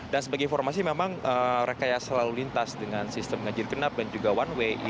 dan sebagai informasi memang rekaya selalu lintas dengan sistem ngejir kenap dan juga one way